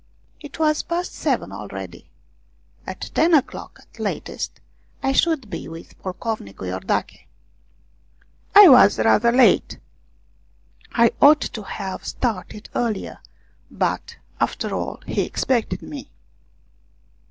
It was past seven already ; at ten o'clock at latest, I should be with Pocovnicu lordache. I was rather late I ought to have started earlier but, after all, he expected me.